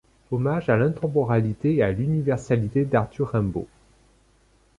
Hommage à l'intemporalité et à l'universalité d'Arthur Rimbaud.